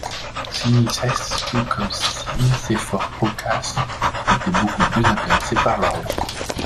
Tzimiscès, tout comme Nicéphore Phokas, était beaucoup plus intéressé par l’Orient.